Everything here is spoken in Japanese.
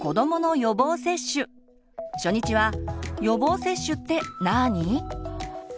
初日は「予防接種ってなに？」。